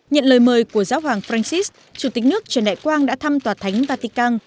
nhận lời mời của giáo hoàng francis chủ tịch nước trần đại quang đã thăm tòa thánh vatican